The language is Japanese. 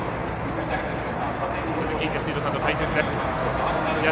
鈴木康弘さんの解説です。